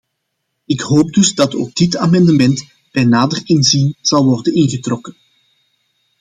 Ik hoop dus dat ook dit amendement bij nader inzien zal worden ingetrokken.